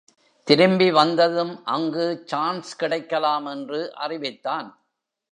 திரும்பி வந்ததும், அங்கு சான்ஸ் கிடைக்கலாம் என்று அறிவித்தான்.